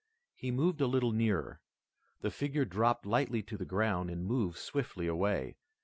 He moved a little nearer. The figure dropped lightly to the ground and moved swiftly away.